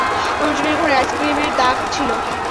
অর্জুনের ঘরে আইসক্রিমের দাগ ছিল।